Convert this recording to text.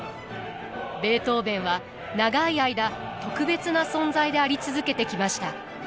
ベートーヴェンは長い間特別な存在であり続けてきました。